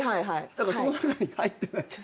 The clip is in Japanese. だからその中に入ってない。